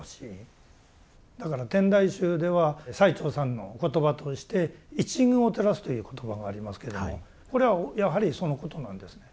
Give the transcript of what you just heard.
だから天台宗では最澄さんのお言葉として「一隅を照らす」という言葉がありますけれどもこれはやはりそのことなんですね。